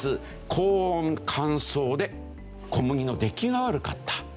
高温乾燥で小麦の出来が悪かった。